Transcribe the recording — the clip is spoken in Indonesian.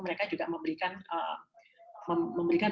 mereka juga memberikan